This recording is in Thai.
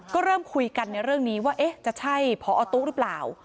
ก็เริ่มคุยกันในเรื่องนี้ว่าจะใช่พอตู้หรือเปล่า